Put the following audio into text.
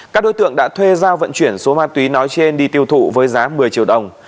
các đối tượng đã thuê giao vận chuyển số ma túy nói trên đi tiêu thụ với giá một mươi triệu đồng